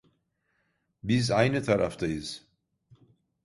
Biz aynı taraftayız.